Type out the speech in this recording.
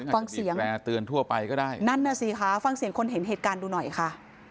ฟังเสียงคนเห็นเหตุการณ์ดูหน่อยค่ะ